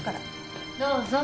どうぞ。